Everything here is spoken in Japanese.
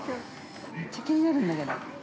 めっちゃ気になるんだけど。